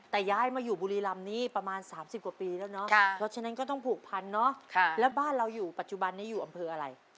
แต่ย้ายมาอยู่บุรีรำนี้ประมาณ๓๐กว่าปีแล้วเนาะเพราะฉะนั้นก็ต้องผูกพันเนาะแล้วบ้านเราอยู่ปัจจุบันนี้อยู่อำเภออะไร